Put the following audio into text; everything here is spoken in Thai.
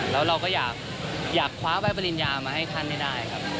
แล้วเราก็อยากคว้าใบปริญญามาให้ท่านให้ได้ครับ